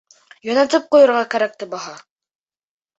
Йүнәтеп ҡуйырға кәрәк тә баһа!